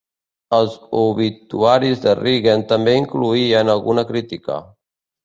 Els obituaris de Reagan també incloïen alguna crítica.